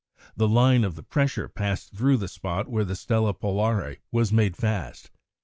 The line of the pressure passed through the spot where the Stella Polare was made fast.